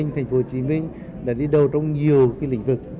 tp hcm đã đi đầu trong nhiều lĩnh vực